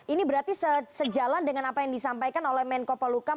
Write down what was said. ini berarti sejalan dengan apa yang disampaikan oleh menko polukam